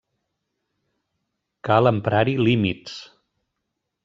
Cal emprar-hi límits.